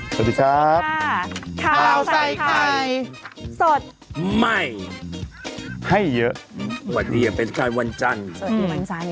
สวัสดีครับคราวใส่ไข่สดใหม่ให้เยอะวันนี้เป็นกลายวันจันทร์สวัสดีวันใส่ไข่